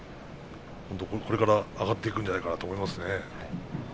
これから上に上がっていくんじゃないかなと思います。